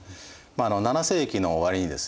７世紀の終わりにですね